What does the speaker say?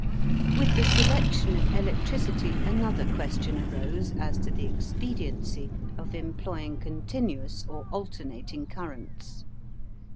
With the selection of electricity another question arose as to the expediency of employing continuous or alternating currents.